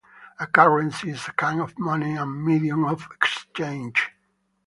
A currency is a kind of money and medium of exchange.